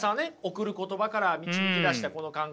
「贈る言葉」から導き出したこの考えね。